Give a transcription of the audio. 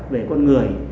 về con người